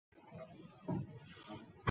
在今天的清川江与汉江之间的东部。